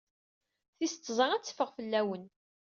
Tis tẓat ad teffeɣ fell-awen.